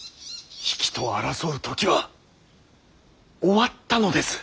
比企と争う時は終わったのです。